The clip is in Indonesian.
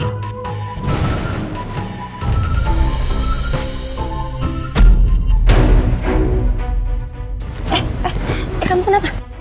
eh eh eh kamu kenapa